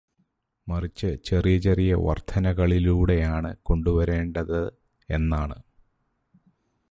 മറിച്ച് ചെറിയ ചെറിയ വർധനകളിലൂടെയാണ് കൊണ്ടുവരേണ്ടത് എന്നാണ്.